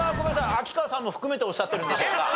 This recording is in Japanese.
秋川さんも含めておっしゃってるんでしょうか？